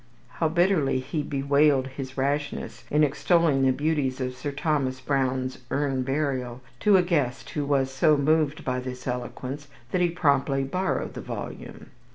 How bitterly he bewailed his rashness in extolling the beauties of Sir Thomas Browne's "Urn Burial" to a guest who was so moved by this eloquence that he promptly borrowed the volume.